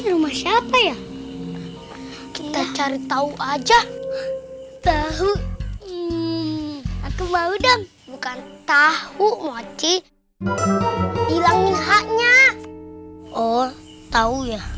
rumah siapa ya kita cari tahu aja tahu aku mau dong bukan tahu moci hilangin haknya oh tahu ya